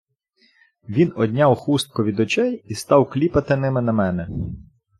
Він одняв хустку від очей і став кліпати ними на мене.